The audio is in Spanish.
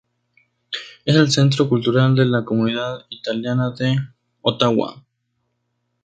Es el centro cultural de la comunidad italiana de Ottawa.